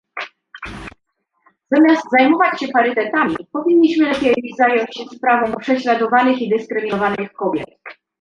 Zamiast zajmować się parytetami powinniśmy lepiej zająć się sprawą prześladowanych i dyskryminowanych kobiet